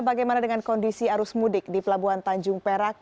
bagaimana dengan kondisi arus mudik di pelabuhan tanjung perak